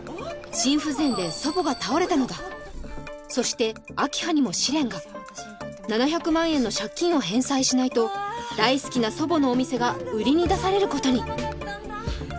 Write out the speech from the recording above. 心不全で祖母が倒れたのだそして明葉にも試練が７００万円の借金を返済しないと大好きな祖母のお店が売りに出されることに！